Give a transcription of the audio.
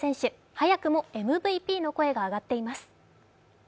早くもＭＶＰの声が上がっています。